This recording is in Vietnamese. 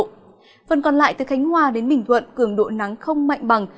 phần còn lại từ khánh hòa đến bình thuận cường độ nắng không mạnh bằng